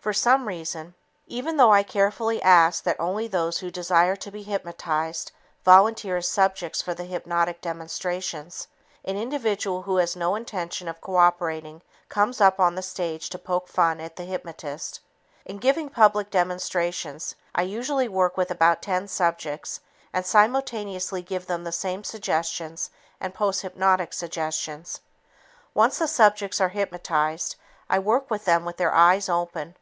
For some reason, even though I carefully ask that only those who desire to be hypnotized volunteer as subjects for the hypnotic demonstrations, an individual who has no intention of cooperating comes up on the stage to poke fun at the hypnotist. In giving public demonstrations, I usually work with about ten subjects and simultaneously give them the same suggestions and posthypnotic suggestions. Once the subjects are hypnotized, I work with them with their eyes open.